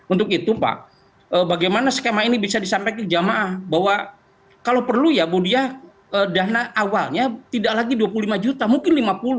untuk itu pak bagaimana skema ini bisa disampaikan ke jamaah bahwa kalau perlu ya bu dia dana awalnya tidak lagi dua puluh lima juta mungkin lima puluh